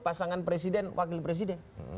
pasangan presiden wakil presiden